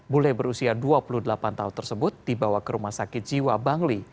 bule berusia dua puluh delapan tahun tersebut dibawa ke rumah sakit jiwa bangli